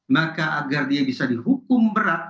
maka agar dia bisa dihukum berat